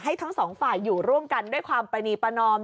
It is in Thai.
ให้ทั้ง๒ฝ่ายอยู่ร่วมกันด้วยความประนีปนม